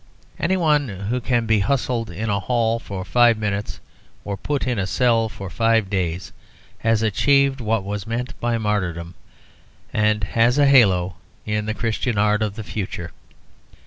Any one who can be hustled in a hall for five minutes, or put in a cell for five days, has achieved what was meant by martyrdom, and has a halo in the Christian art of the future.